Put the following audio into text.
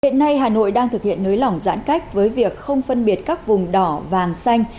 hiện nay hà nội đang thực hiện nới lỏng giãn cách với việc không phân biệt các vùng đỏ vàng xanh